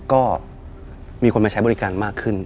ก็มีคนมาใช้บริการมากขึ้น